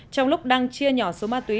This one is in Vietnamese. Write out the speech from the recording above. trong lúc đăng chia nhỏ số ma túy